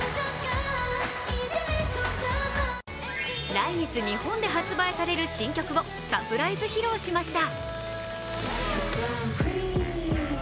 来月日本で発売される新曲をサプライズ披露しました。